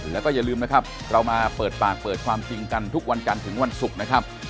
แล้วก็อย่าลืมนะครับเรามาเปิดปากเปิดความจริงกันทุกวันกันถึงวันศุกร์นะครับ